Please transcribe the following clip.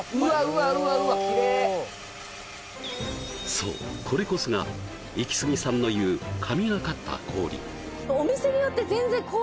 そうこれこそがイキスギさんのいう神がかった氷